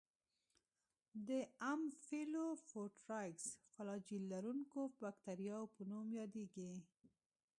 د امفیلوفوټرایکس فلاجیل لرونکو باکتریاوو په نوم یادیږي.